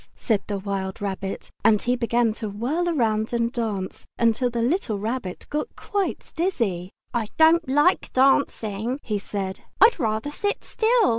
said the wild rabbit. And he began to whirl round and dance, till the little Rabbit got quite dizzy. "I don't like dancing," he said. "I'd rather sit still!"